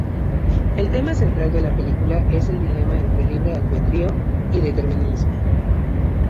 El tema central de la película es el dilema entre libre albedrío y determinismo.